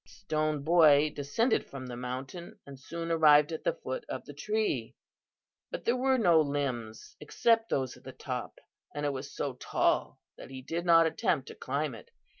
Stone Boy descended from the mountain and soon arrived at the foot of the tree; but there were no limbs except those at the top and it was so tall that he did not attempt to climb it.